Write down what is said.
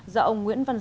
do ông nguyễn văn hà